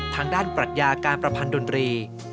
ทางด้านปรัชญาการประพันธ์ดนตรี